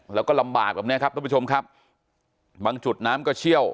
แล้วก็ลำบากแบบเนี้ยครับทุกผู้ชมครับบางจุดน้ำก็เชี่ยว